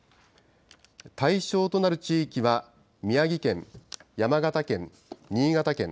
対象となる地域は、宮城県、山形県、新潟県。